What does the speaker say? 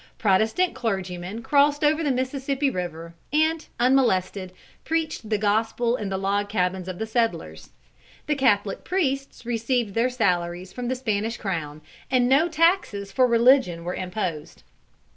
Protestant clergymen crossed over the Mississippi river and, unmolested, preached the gospel in the log cabins of the settlers. The Catholic priests received their salaries from the Spanish crown, and no taxes for religion were imposed.